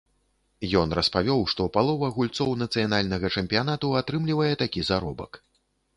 Ён распавёў, што палова гульцоў нацыянальнага чэмпіянату атрымлівае такі заробак.